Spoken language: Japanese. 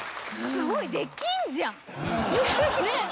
すごい！できんじゃん！